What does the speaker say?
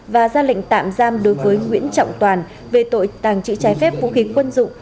và ra lệnh tạm giam đối với nguyễn trọng toàn về tội tàng trữ trái phép vũ khí quân dụng